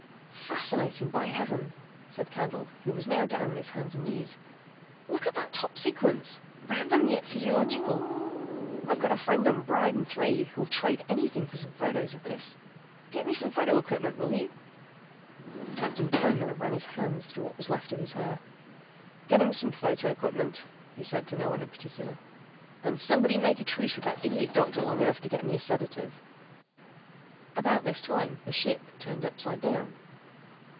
"Fascinating, by Heaven," said Candle, who was now down on his hands and knees. "Look at that top sequence! Random, yet physiological. I've got a friend on Bridan III who'd trade anything for some photos of this. Get me some photo equipment, will you?" Captain Fromer ran his hands through what was left of his hair. "Get him some photo equipment," he said to no one in particular, "and somebody make a truce with that idiot doctor long enough to get me a sedative." About this time the ship turned upsidedown.